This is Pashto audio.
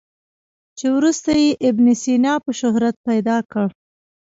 چې وروسته یې ابن سینا په شهرت پیدا کړ.